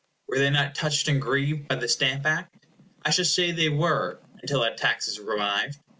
Were they not touched and grieved by the Stamp Act? I shall say they were, until that tax is revived.